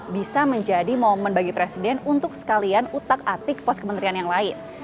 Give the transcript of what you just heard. bisa menjadi momen bagi presiden untuk sekalian utak atik pos kementerian yang lain